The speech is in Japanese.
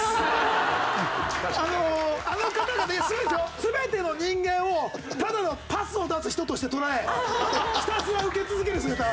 全ての人間をただのパスを出す人として捉えひたすら受け続ける姿は。